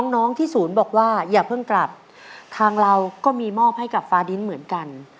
น้องที่ศูนย์บอกว่าอย่าเพิ่งกลับทางเราก็มีมอบให้กับฟาดินเหมือนกัน